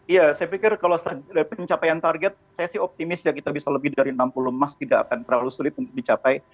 iya saya pikir kalau pencapaian target saya sih optimis ya kita bisa lebih dari enam puluh emas tidak akan terlalu sulit untuk dicapai